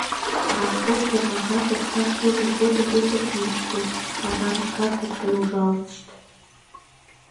Расход тӧрлаташ окса кӱлмӧ годым уто киндыштым пазарышкат луктын ужалышт.